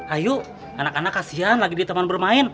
ayo anak anak kasihan lagi diteman bermain